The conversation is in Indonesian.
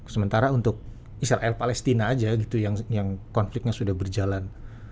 sementara untuk israel palestina aja gitu yang konfliknya sudah berjalan